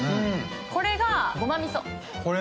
これが、ごまみそ。